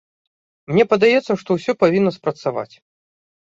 Мне падаецца, што ўсё павінна спрацаваць.